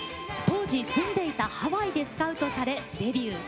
当時、住んでいたハワイでスカウトされデビュー。